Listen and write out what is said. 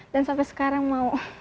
dan sampai sekarang mau